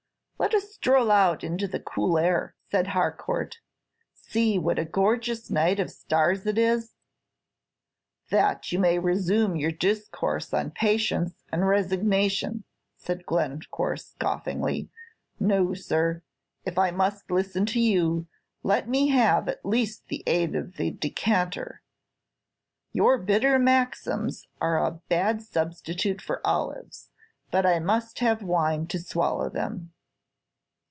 "Let us stroll out into the cool air," said Harcourt. "See what a gorgeous night of stars it is!" "That you may resume your discourse on patience and resignation!" said Glencore, scoffingly. "No, sir. If I must listen to you, let me have at least the aid of the decanter. Your bitter maxims are a bad substitute for olives, but I must have wine to swallow them."